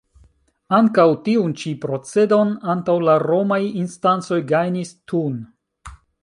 Ankaŭ tiun ĉi procedon antaŭ la romaj instancoj gajnis Thun.